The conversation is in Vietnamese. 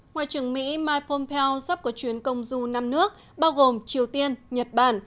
ngoại trưởng mỹ mike pompeo sắp có chuyến công du năm nước bao gồm triều tiên nhật bản